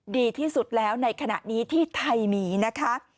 ดีที่สุดแล้วในขณะนี้ที่ไทยมีนะคะ